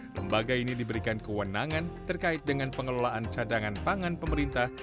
lembaga ini diberikan kewenangan terkait dengan pengelolaan cadangan pangan pemerintah